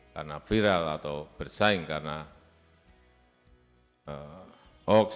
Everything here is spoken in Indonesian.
karena viral atau bersaing karena hoax